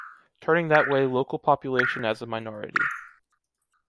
Turning that way local population as a minority.